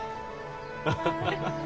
ハハハハ。